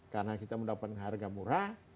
karena kita mendapat harga murah